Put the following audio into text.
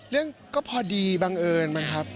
เรื่องก็พอดีบังเอิญไหมครับ